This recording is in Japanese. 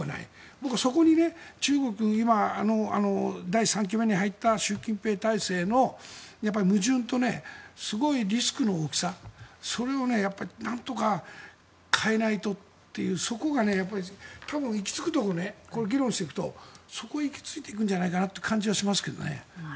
僕はそこに中国、今、第３期目に入った習近平体制の矛盾とすごいリスクの大きさそれをなんとか変えないとっていう、そこが多分行き着くところこれを議論していくとそこに行き着く気がするんですがね。